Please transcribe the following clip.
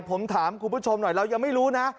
ผมถามคุณผู้ชมหน่อยเรายังไม่รู้นะ